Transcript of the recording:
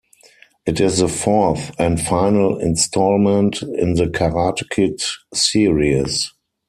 It is the fourth and final installment in "The Karate Kid" series.